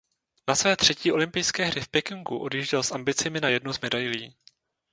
Na své třetí olympijské hry v Pekingu odjížděl s ambicemi na jednu z medailí.